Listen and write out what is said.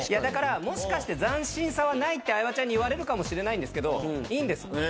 だからもしかして斬新さはないって相葉ちゃんに言われるかもしれないんですけどいいんです。